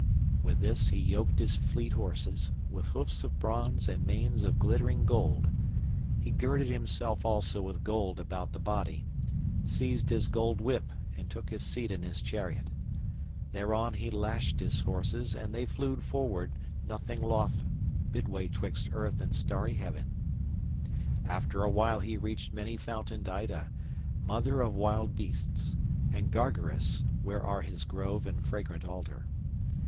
With this he yoked his fleet horses, with hoofs of bronze and manes of glittering gold. He girded himself also with gold about the body, seized his gold whip and took his seat in his chariot. Thereon he lashed his horses and they flew forward nothing loth midway twixt earth and starry heaven. After a while he reached many fountained Ida, mother of wild beasts, and Gargarus, where are his grove and fragrant altar.